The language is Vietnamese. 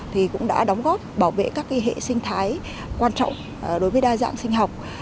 thì cũng đã đóng góp bảo vệ các hệ sinh thái quan trọng đối với đa dạng sinh học